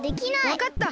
わかった！